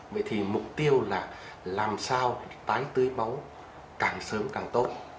vậy thì mục tiêu là làm sao tái tư máu càng sớm càng tốt